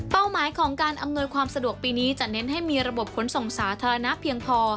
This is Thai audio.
หมายของการอำนวยความสะดวกปีนี้จะเน้นให้มีระบบขนส่งสาธารณะเพียงพอ